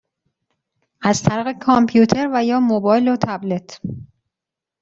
از طریق کامپیوتر و یا موبایل و تبلت